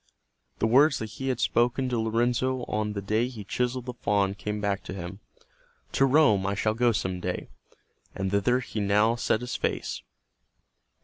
The words that he had spoken to Lorenzo on the day he chiseled the faun came back to him, "To Rome I shall go some day," and thither he now set his face.